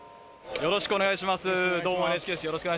よろしくお願いします。